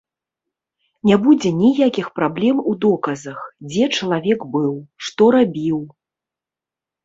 Не будзе ніякіх праблем у доказах, дзе чалавек быў, што рабіў.